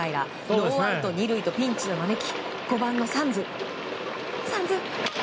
ノーアウト２塁とピンチを招き５番のサンズ。